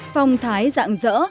phong thái dạng dỡ